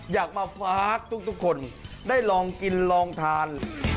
อยากมาฝากทุกคนได้ลองกินลองทาน